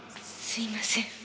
すみません。